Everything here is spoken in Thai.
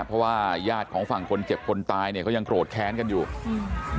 เพราะว่าญาติของฝั่งคนเจ็บคนตายเนี้ยเขายังโกรธแค้นกันอยู่อืม